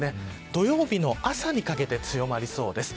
土曜日の朝にかけて強まりそうです。